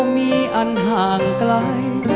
มีอันห่างไกล